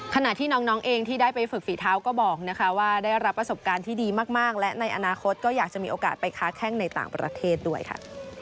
ขณะที่น้องเองที่ได้ไปฝึกฝีเท้าก็บอกนะคะว่าได้รับประสบการณ์ที่ดีมากและในอนาคตก็อยากจะมีโอกาสไปค้าแข้งในต่างประเทศด้วยค่ะ